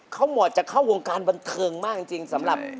เขามอบจะเข้าวงการบางเทิงมากจังจริง